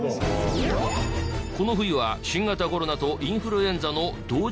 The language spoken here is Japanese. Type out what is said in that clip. この冬は新型コロナとインフルエンザの同時